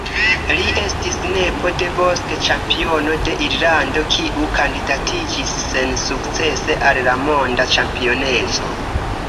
Li estis nepo de boks-ĉampiono de Irlando kiu kandidatiĝis sensukcese al la monda ĉampioneco.